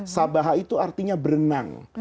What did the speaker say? sabbaha itu artinya berenang